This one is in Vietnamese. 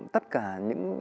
tất cả những